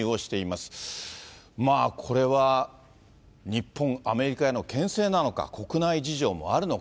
まあこれは、日本、アメリカへのけん制なのか、国内事情もあるの